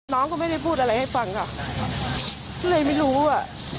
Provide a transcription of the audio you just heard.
น้องก็ไม่ได้พูดอะไรให้ฟังค่ะก็เลยไม่รู้อ่ะ